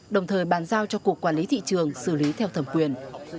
đồng thời bàn giao cho cục quản lý thị trường xử lý theo thẩm quyền